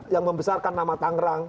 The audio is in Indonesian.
yang membesarkan nama tangerang